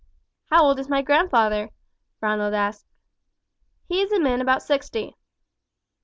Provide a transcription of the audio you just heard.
"How old is my grandfather?" Ronald asked. "He is a man about sixty."